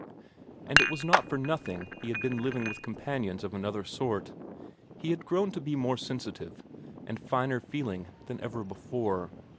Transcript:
And it was not for nothing he had been living with companions of another sort. He had grown to be more sensitive and finer feeling than ever before.